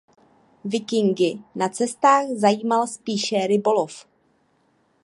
Vikingy na cestách zajímal spíše rybolov.